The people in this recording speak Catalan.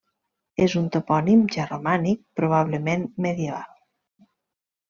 És un topònim ja romànic, probablement medieval.